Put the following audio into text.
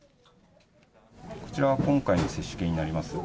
こちらが今回の接種券になります。